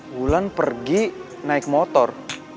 wulan pergi naik motor